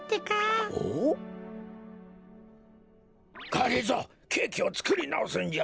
がりぞーケーキをつくりなおすんじゃ。